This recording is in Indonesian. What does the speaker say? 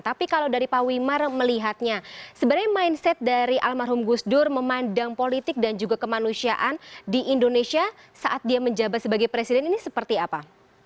tapi kalau dari pak wimar melihatnya sebenarnya mindset dari almarhum gus dur memandang politik dan juga kemanusiaan di indonesia saat dia menjabat sebagai presiden ini seperti apa